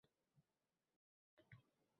botiningda qarsillar dardlar